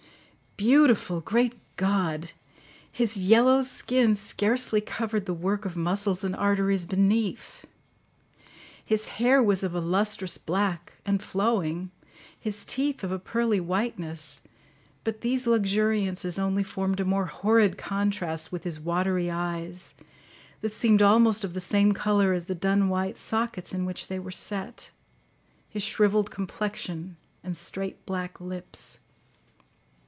Beautiful! Great God! His yellow skin scarcely covered the work of muscles and arteries beneath; his hair was of a lustrous black, and flowing; his teeth of a pearly whiteness; but these luxuriances only formed a more horrid contrast with his watery eyes, that seemed almost of the same colour as the dun white sockets in which they were set, his shrivelled complexion and straight black lips.